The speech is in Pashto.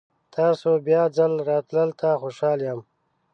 تاسو بیا ځل راتلو ته خوشحال یم.